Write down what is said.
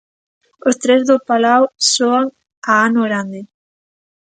Os tres do Palau soan a ano grande.